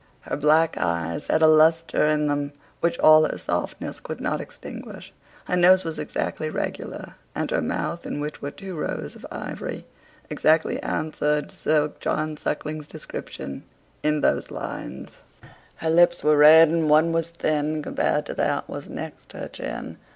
Her black eyes had a lustre in them, which all her softness could not extinguish. Her nose was exactly regular, and her mouth, in which were two rows of ivory, exactly answered Sir John Suckling's description in those lines: Her lips were red, and one was thin, Compar'd to that was next her chin.